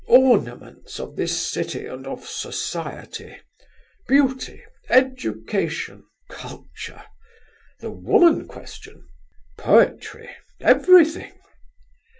Ornaments of this city and of society: beauty, education, culture—the woman question—poetry—everything!